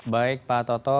baik pak toto